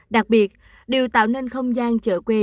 đặc biệt điều tạo nên không gian chợ quê